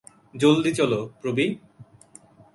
জলদি চলো, প্রোবি।